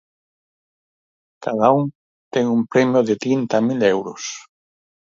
Cada un ten un premio de trinta mil euros.